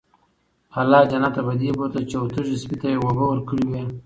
الله جنت ته پدې بوتله چې يو تږي سپي ته ئي اوبه ورکړي وي